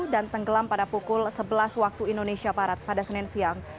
dan tenggelam pada pukul sebelas waktu indonesia parat pada senin siang